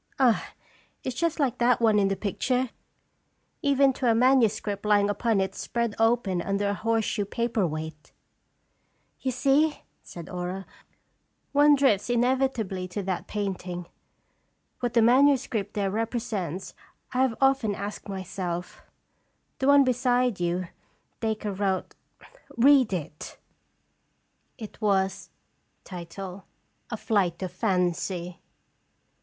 Ah! it is just like that one in the picture, 78 & Stras even to a manuscript lying upon it spread open under a horseshoe paper weight." "You see," said Aura, "one drifts inevit ably to that painting. What the manuscript there represents I have often asked myself. The one beside you, Dacre wrote. Read it." It was : "A FLIGHT OF FANCY.